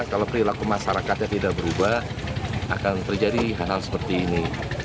kalau perilaku masyarakatnya tidak berubah akan terjadi hal hal seperti ini